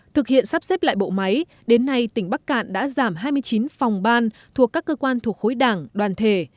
thực hiện sắp xếp lại bộ máy đến nay tỉnh bắc cạn đã giảm hai mươi chín phòng ban thuộc các cơ quan thuộc khối đảng đoàn thể